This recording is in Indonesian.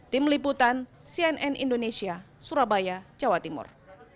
tim liputan cnn indonesia surabaya jawa timur